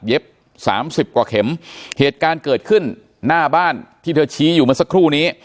สามสิบกว่าเข็มเหตุการณ์เกิดขึ้นหน้าบ้านที่เธอชี้อยู่เมื่อสักครู่นี้